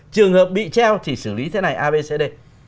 trường hợp bị treo thì xử lý thế này a b c d